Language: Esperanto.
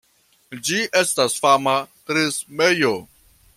Ĝi estas fama trismejo.